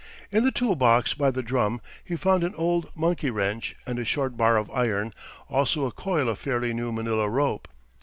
In the tool box by the drum he found an old monkey wrench and a short bar of iron, also a coil of fairly new Manila rope.